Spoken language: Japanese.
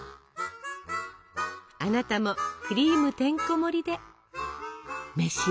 あなたもクリームてんこもりで召し上がれ！